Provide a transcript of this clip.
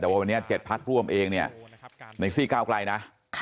แต่ว่าวันนี้๗พักร่วมเองเนี่ยในซี่ก้าวไกลนะ